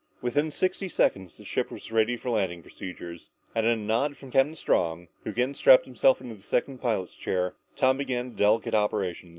Within sixty seconds the ship was ready for landing procedure and at a nod from Captain Strong, who again strapped himself into the second pilot's chair, Tom began the delicate operation.